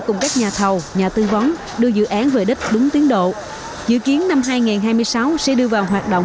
cùng các nhà thầu nhà tư vấn đưa dự án về đích đúng tiến độ dự kiến năm hai nghìn hai mươi sáu sẽ đưa vào hoạt động